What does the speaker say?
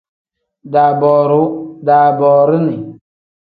Daabooruu pl: daaboorini n.